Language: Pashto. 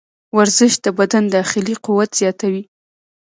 ورزش د بدن داخلي قوت زیاتوي.